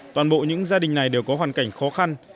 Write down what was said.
toàn bộ những gia đình này đều có hoàn cảnh khó khăn